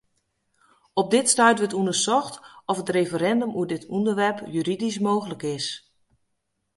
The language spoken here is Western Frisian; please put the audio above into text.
Op dit stuit wurdt ûndersocht oft in referindum oer dit ûnderwerp juridysk mooglik is.